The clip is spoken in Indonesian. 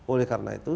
oleh karena itu